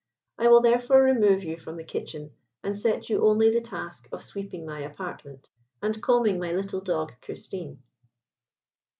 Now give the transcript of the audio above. I will, therefore, remove you from the kitchen, and set you only the task of sweeping my apartment, and combing my little dog Christine."